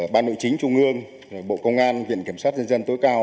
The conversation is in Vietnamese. ban nội chính trung ương bộ công an viện kiểm soát dân dân tối cao